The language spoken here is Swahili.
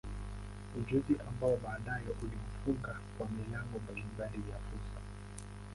Ujuzi ambao baadaye ulimfunguka kwa milango mbalimbali ya fursa.